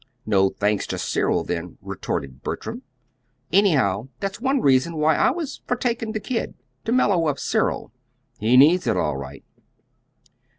"No thanks to Cyril, then," retorted Bertram. "Anyhow, that's one reason why I was for taking the kid to mellow up Cyril. He needs it all right."